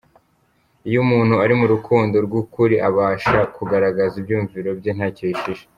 Iyo umuntu ari mu rukundo rw’ukuri abasha kugaragaza ibyiyumviro bye ntacyo yishisha.